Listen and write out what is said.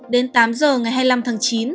đến tám h ngày hai mươi năm tháng